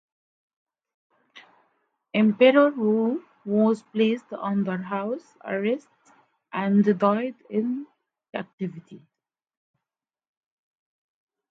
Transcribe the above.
Emperor Wu was placed under house arrest and died in captivity.